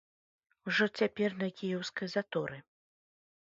Ужо цяпер на кіеўскай заторы.